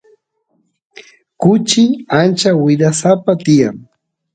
kuchi ancha wirasapa tiyan